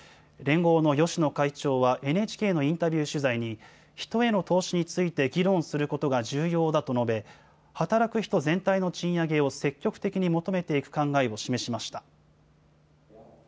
連合の芳野会長は、ＮＨＫのインタビュー取材に、人への投資について議論することが重要だと述べ、働く人全体の賃上げを積極的に求めていく考えを示しました。